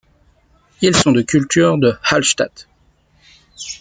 Ils sont de culture de Hallstatt.